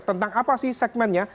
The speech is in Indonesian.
tentang apa sih segmennya